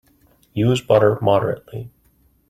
Use butter moderately.